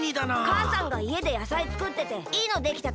かあさんがいえでやさいつくってていいのできたからもってけって。